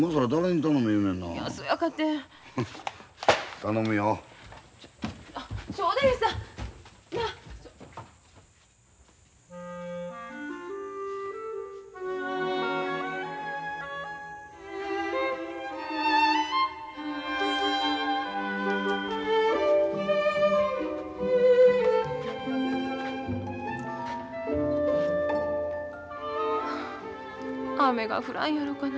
雨が降らんやろかなあ。